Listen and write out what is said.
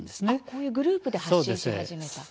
こういうグループで発信し始めたんですね。